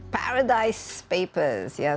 paradise papers ya